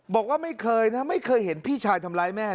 บอกว่าไม่เคยนะไม่เคยเห็นพี่ชายทำร้ายแม่